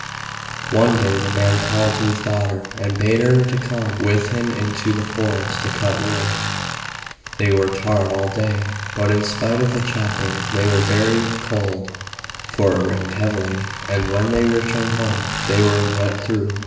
One day the man called to his daughter and bade her come with him into the forest to cut wood. They worked hard all day, but in spite of the chopping they were very cold, for it rained heavily, and when they returned home, they were wet through.